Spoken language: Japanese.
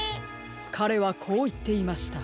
かれはこういっていました。